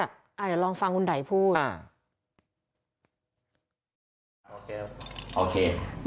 อ่ะเดี่ยวลองฟังคุณไถพูด